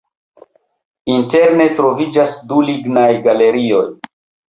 Interne troviĝas du lignaj galerioj.